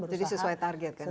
jadi sesuai target kan ya